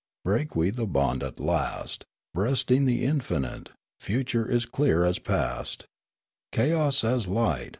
Break we the bond at last, Breasting the infinite ; Future is clear as past, Chaos as light.